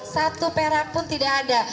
satu perak pun tidak ada